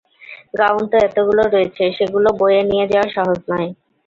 Gown তো এতগুলো রয়েছে, সেগুলি বয়ে নিয়ে যাওয়া সহজ নয়।